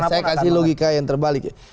saya kasih logika yang terbalik